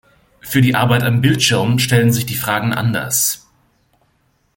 Für die Arbeit am Bildschirm stellen sich die Fragen anders.